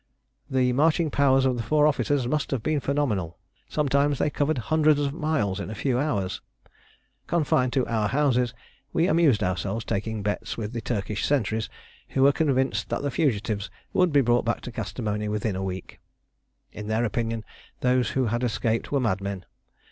The marching powers of the four officers must have been phenomenal: sometimes they covered hundreds of miles in a few hours. Confined to our houses, we amused ourselves taking bets with the Turkish sentries, who were convinced that the fugitives would be brought back to Kastamoni within a week. In their opinion those who had escaped were madmen.